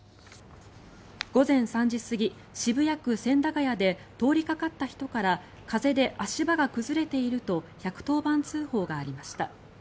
午前３時過ぎ、渋谷区千駄ヶ谷で通りかかった人から風で足場が崩れていると１１０番通報がありました。